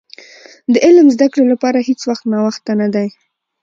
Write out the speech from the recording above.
د علم زدي کړي لپاره هيڅ وخت ناوخته نه دي .